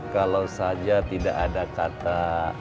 kalau saja tidak ada kata